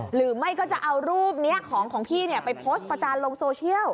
หรือไม่ก็จะเอารูปนี้ของพี่ไปโพสต์ประจานลงโซเชียล